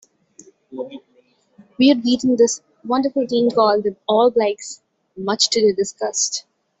We'd beaten this wonderful team called the All Blacks, much to their disgust.